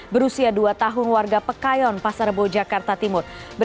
berusia dua tahun warga pekayon pasar rebo jakarta timur